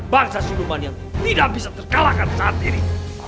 bangsa suduman yang tidak bisa terkalahkan saat ini